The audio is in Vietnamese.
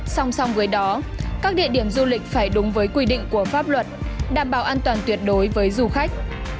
song song với đó các địa điểm du lịch phải đúng với quy định của pháp luật đảm bảo an toàn tuyệt đối với du khách